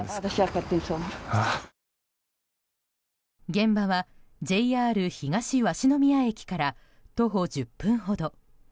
現場はＪＲ東鷲宮駅から徒歩１０分ほど。